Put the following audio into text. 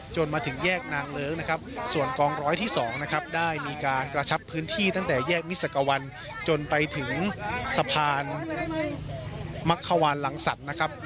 มาถึงแยกนางเลิ้งนะครับส่วนกองร้อยที่๒นะครับได้มีการกระชับพื้นที่ตั้งแต่แยกมิสักวันจนไปถึงสะพานมักขวานหลังสรรนะครับ